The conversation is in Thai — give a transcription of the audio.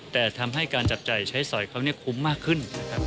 แต่ทำให้การจับใจใช้สอยเขาคุ้มมากขึ้น